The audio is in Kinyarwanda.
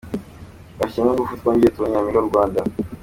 Bashyiremo ingufu twongere tubone Nyampinga w’u Rwanda.